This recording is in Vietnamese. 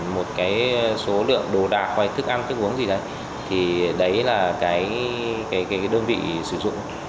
một cái số lượng đồ đạc hoặc thức ăn thức uống gì đấy thì đấy là cái đơn vị sử dụng